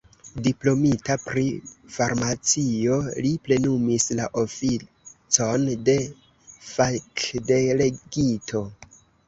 Diplomita pri farmacio, li plenumis la oficon de fakdelegito.